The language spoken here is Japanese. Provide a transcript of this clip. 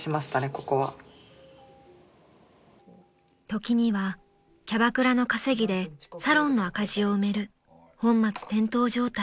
［時にはキャバクラの稼ぎでサロンの赤字を埋める本末転倒状態］